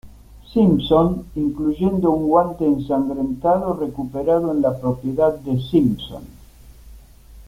Simpson, incluyendo un guante ensangrentado recuperado en la propiedad de Simpson.